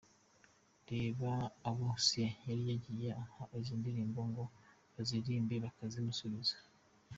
Reba abo Sia yari yagiye aha izi ndirimbo ngo baziririmbe bakazimusubiza:.